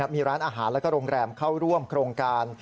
มีร้านอาหารและโรงแรมเข้าร่วมโครงการ